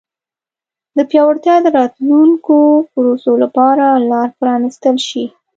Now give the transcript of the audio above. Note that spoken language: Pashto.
د پیاوړتیا د راتلونکو پروسو لپاره لار پرانیستل شي.